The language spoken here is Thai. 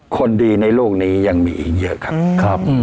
คนดีในโลกนี้ยังมีอีกเยอะครับ